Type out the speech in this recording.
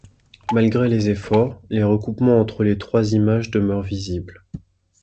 Malgré les efforts, les recoupements entre les trois images demeurent visibles.